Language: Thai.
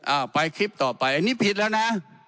เอาไปคลิปต่อไปอันนี้ผิดแล้วนะ